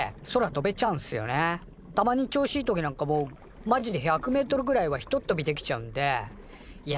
たまに調子いい時なんかもうマジで１００メートルぐらいはひとっ飛びできちゃうんでいや